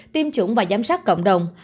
tiêm chủng và giám sát cộng đồng